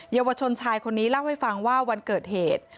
เยาวชนชายคนนี้เล่าให้ฟังว่าวันเกิดเหตุ